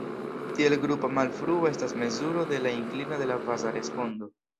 Tiel grupa malfruo estas mezuro de la inklino de la faza respondo.